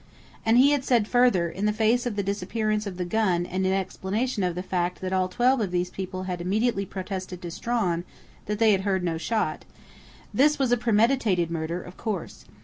And he had said further, in face of the disappearance of the gun and in explanation of the fact that all twelve of these people had immediately protested to Strawn that they had heard no shot: "This was a premeditated murder, of course.